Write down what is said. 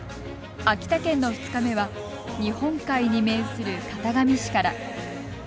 秋田県の２日目は日本海に面する潟上市から。